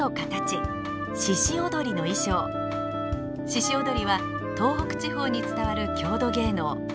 鹿踊は東北地方に伝わる郷土芸能。